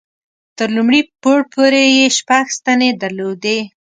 تر لومړي پوړ پورې یې شپږ ستنې درلودې.